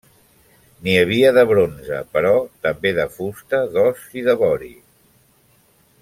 N'hi havia de bronze, però també de fusta, d'os i de vori.